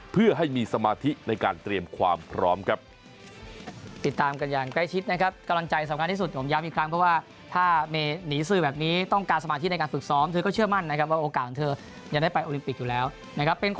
เพื่อให้มีสมาธิในการเตรียมความพร้อมครับ